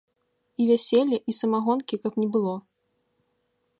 І вяселля і самагонкі каб не было.